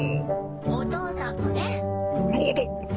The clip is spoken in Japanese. お父さんもね。